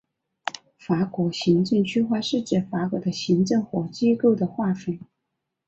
法国行政区划是指法国的行政和机构的划分。